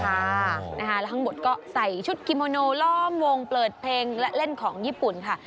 แล้วทั้งหมดก็ใส่ชุดคิโมโนล้อมวงเปิดเพลงและเล่นของญี่ปุ่นค่ะ